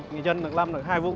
người dân được làm được hai vụng